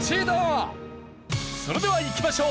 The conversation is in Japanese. それではいきましょう。